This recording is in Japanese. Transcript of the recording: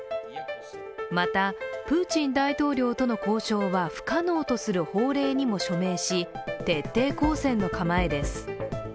また、プーチン大統領との交渉は不可能とする法令にも署名し徹底抗戦の構えです。